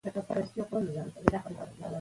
د پښتو ژبې استعمال زموږ د کلتور هویت دی.